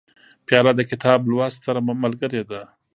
پیاله د کتاب لوست سره ملګرې ده.